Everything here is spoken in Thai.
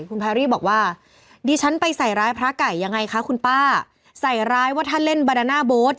คุณแพรรี่บอกว่าดิฉันไปใส่ร้ายพระไก่ยังไงคะคุณป้าใส่ร้ายว่าถ้าเล่นบาดาน่าโบ๊ท